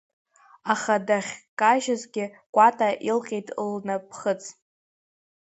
Аха дахькажьызгьы Кәата илҟьеит лнаԥхыц.